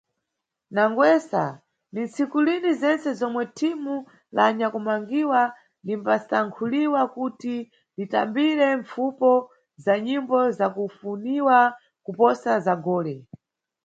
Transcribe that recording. Nangwesa, ni ntsikulini zentse zomwe thimu la anyakumangiwa limbasankhuliwa kuti litambire mpfupo za nyimbo za kufuniwa kuposa za gole.